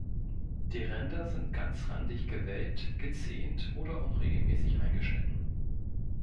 Die Ränder sind ganzrandig, gewellt, gezähnt oder unregelmäßig eingeschnitten.